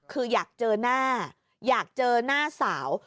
คืออยากเจอหน้าอยากเจอหน้าสาว